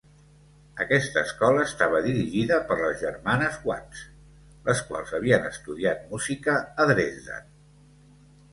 Aquesta escola estava dirigida per les germanes Watts, les quals havien estudiat música a Dresden.